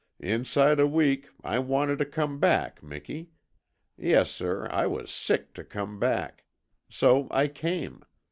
Inside a week I wanted to come back, Miki. Yessir, I was SICK to come back. So I came.